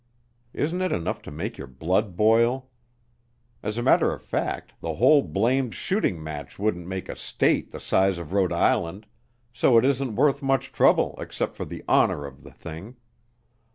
Isn't it enough to make your blood boil? As a matter of fact, the whole blamed shooting match wouldn't make a state the size of Rhode Island, so it isn't worth much trouble except for the honor of the thing.